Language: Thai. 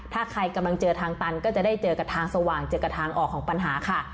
ถ้าใครกำลังเจอทางตันก็จะได้เจอกับทางสว่างเจอกับทางออกของปัญหาค่ะ